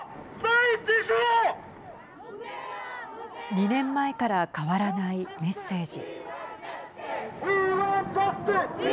２年前から変わらないメッセージ。